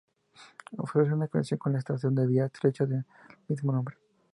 Ofrece una conexión con la estación de vía estrecha de mismo nombre.